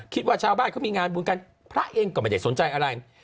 ชาวบ้านเขามีงานบุญกันพระเองก็ไม่ได้สนใจอะไร